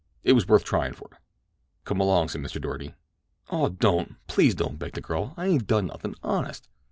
It was worth trying for. "Come along," said Mr. Doarty. "Aw, don't. Please don't!" begged the girl. "I ain't done nothing, honest!"